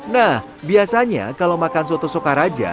nah biasanya kalau makan soto sukaraja